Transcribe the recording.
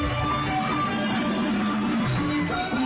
โอ้โห้ย